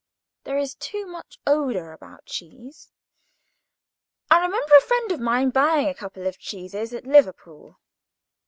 There is too much odour about cheese. I remember a friend of mine, buying a couple of cheeses at Liverpool.